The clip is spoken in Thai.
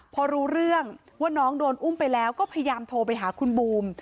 พอรู้เรื่องว่าน้องโดนอุ้มไปแล้วก็พยายามโทรไปหาคุณบูม